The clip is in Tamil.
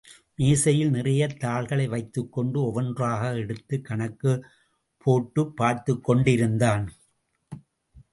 மேசையில் நிறையத் தாள்களை வைத்துக்கொண்டு ஒவ்வொன்றாக எடுத்துக் கணக்குப் போட்டுப் பார்த்துக்கொண்டேயிருந்தான்.